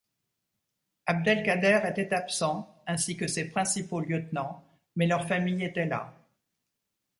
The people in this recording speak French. Abd-el-Kader était absent, ainsi que ses principaux lieutenants, mais leurs familles étaient là.